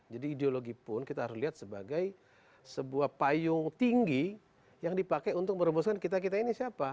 jadi ideologi pun kita harus lihat sebagai sebuah payung tinggi yang dipakai untuk merebuskan kita kita ini siapa